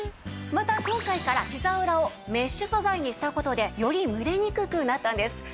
また今回からひざ裏をメッシュ素材にした事でより蒸れにくくなったんです。